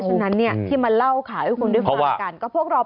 ฉะนั้นเนี่ยที่มาเล่าข็อให้คุณชุมด้วยความลาการก็พวกเรา